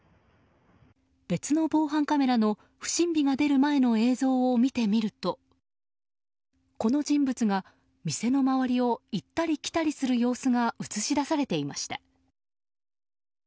別の防犯カメラの不審火が出る前の映像を見てみるとこの人物が店の周りを行ったり来たりする様子が映し出されていました。